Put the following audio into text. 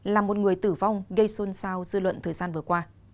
là một người tử vong gây xôn xao dư luận thời gian vừa qua